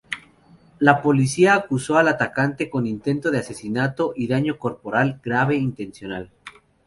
La Policía acusó al atacante con Intento de Asesinato y Daño Corporal Grave Intencional.